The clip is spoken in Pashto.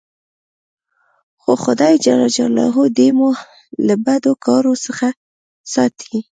خو خداى جل جلاله دي مو له بدو کارو څخه ساتي.